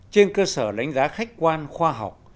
trên cơ sở đánh giá khách quan khoa học